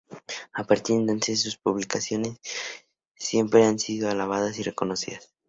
A partir de entonces, sus publicaciones siempre han sido alabadas y reconocidas.